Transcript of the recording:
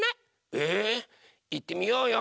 えいってみようよ。